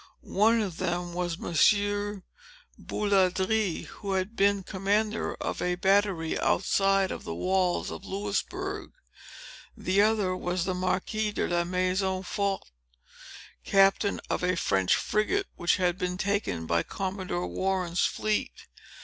One of them was Monsieur Bouladrie, who had been commander of a battery, outside of the walls of Louisbourg. The other was the Marquis de la Maison Forte, captain of a French frigate, which had been taken by Commodore Warren's fleet.